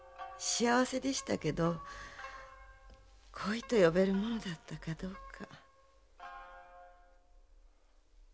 幸せでしたけど恋と呼べるものだったかどうか。